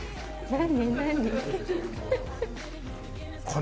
何？